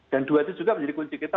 dan dua itu juga menjadi kunci kita